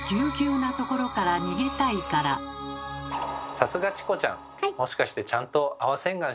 さすがチコちゃん！